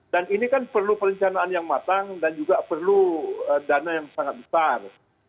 dan ini kan perlu perencanaan yang matang dan juga perlu dana yang sangat besar